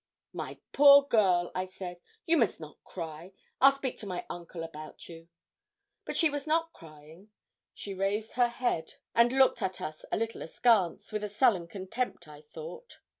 'My poor girl,' I said, 'you must not cry. I'll speak to my uncle about you.' But she was not crying. She raised her head, and looked at us a little askance, with a sullen contempt, I thought.